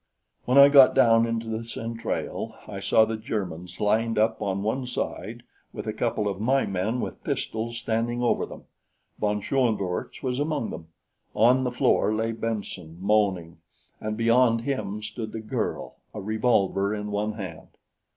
When I got down into the centrale, I saw the Germans lined up on one side with a couple of my men with pistols standing over them. Von Schoenvorts was among them. On the floor lay Benson, moaning, and beyond him stood the girl, a revolver in one hand.